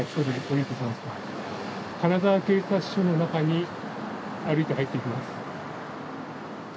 金沢警察署の中に歩いて入っていきます。